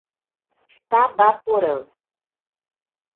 Tabaporã